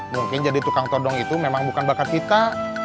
mungkin jadi tukang todong itu memang bukan bakat kita